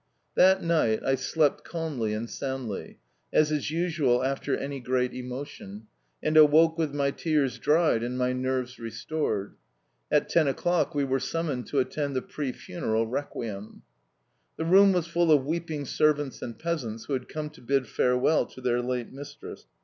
That night I slept calmly and soundly (as is usual after any great emotion), and awoke with my tears dried and my nerves restored. At ten o'clock we were summoned to attend the pre funeral requiem. The room was full of weeping servants and peasants who had come to bid farewell to their late mistress.